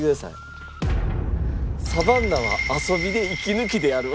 「サバンナは遊びでいきぬきである」